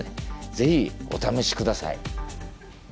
ぜひお試し下さい。